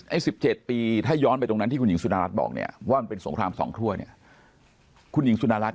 ๑๗ปีถ้าย้อนไปตรงนั้นที่คุณหญิงสุดารัฐบอกเนี่ยว่ามันเป็นสงคราม๒ถ้วยเนี่ยคุณหญิงสุดารัฐ